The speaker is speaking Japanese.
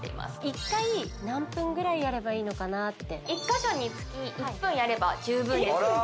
１回何分ぐらいやればいいのかなって１か所につき１分やれば十分です